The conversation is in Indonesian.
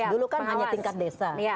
dulu kan hanya tingkat desa